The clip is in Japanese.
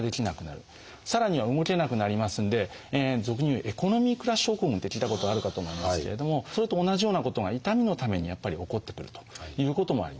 さらには動けなくなりますんで俗に言う「エコノミークラス症候群」って聞いたことあるかと思いますけれどもそれと同じようなことが痛みのためにやっぱり起こってくるということもあります。